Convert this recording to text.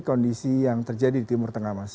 kondisi yang terjadi di timur tengah mas